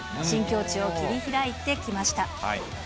新境地を切り開いてきました。